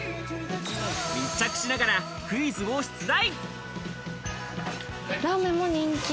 密着しながらクイズを出題！